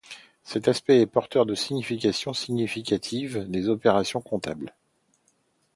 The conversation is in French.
Cet aspect est porteur de simplifications significatives des opérations comptables.